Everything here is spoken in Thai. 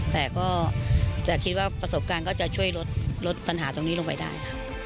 แต่พระสมการณ์ก็จะช่วยลดปัญหาตรงนี้ลงไปได้